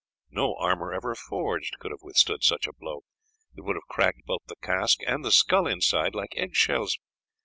No armour ever forged could have withstood such a blow; it would have cracked both the casque and the skull inside like egg shells.